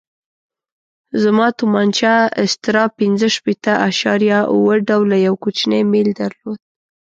زما تومانچه استرا پنځه شپېته اعشاریه اوه ډوله یو کوچنی میل درلود.